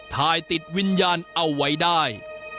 ถ่ายติดวิญญาณเอาไว้ได้